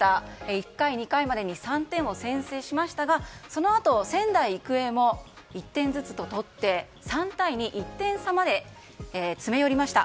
１回、２回までに３点を先制しましたがそのあと、仙台育英も１点ずつ取って３対２１点差まで詰め寄りました。